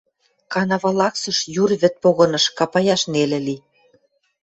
Канава лаксыш юр вӹд погыныш, капаяш нелӹ ли.